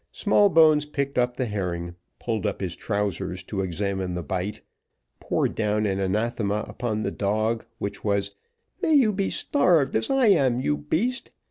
Smallbones picked up the herring, pulled up his trousers to examine the bite, poured down an anathema upon the dog, which was, "May you be starved, as I am, you beast!"